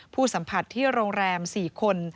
ผู้สัมผัสที่โรงแรม๔คน